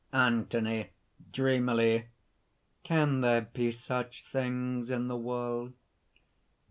ANTHONY (dreamily). "Can there be such things in the world?"